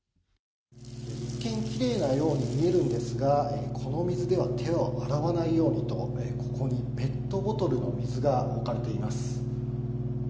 一見、きれいなように見えるんですが、この水では手を洗わないようにと、ここにペットボトルの水が置かれています。